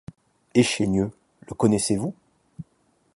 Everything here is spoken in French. Et Chaigneux, le connaissez-vous?